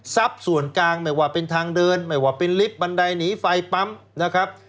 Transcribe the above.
ส่วนกลางไม่ว่าเป็นทางเดินไม่ว่าเป็นลิฟต์บันไดหนีไฟปั๊มนะครับ